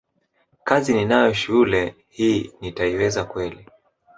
kazi ninayo shule hii nitaiweza kweli